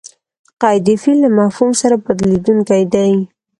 قید؛ د فعل له مفهوم سره بدلېدونکی دئ.